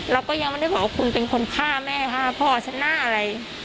เราก็ยังไม่ได้บอกว่าคุณเป็นคนฆ่าแม่ฆ่าพ่อฉันหน้าอะไร